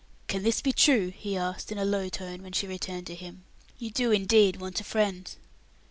"Can this be true?" he asked, in a low tone when she returned to him. "You do, indeed, want a friend."